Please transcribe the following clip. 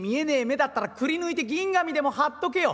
目だったらくりぬいて銀紙でも貼っとけよ。